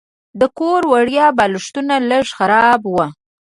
د کور وړیا بالښتونه لږ خراب وو.